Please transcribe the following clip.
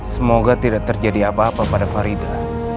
semoga tidak terjadi apa apa pada farida